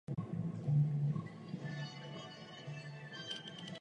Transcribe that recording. Ty byly později během jeho života několikrát přítomny.